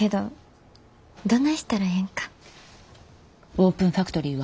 オープンファクトリーは？